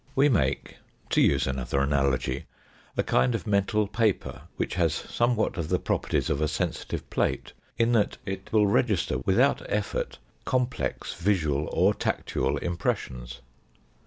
We make, to use another analogy, a kind of mental paper, which has somewhat of the properties of a sensitive plate, in that it will register, without effort, complex, visual, or tactual impressions.